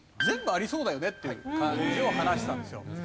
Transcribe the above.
全部ありそうだよねっていう感じを話してたんですよ。